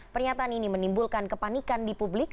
pernyataan ini menimbulkan kepanikan di publik